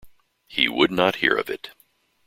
He would not hear of it.